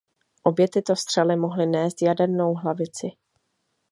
Obě tyto střely mohly nést jadernou hlavici.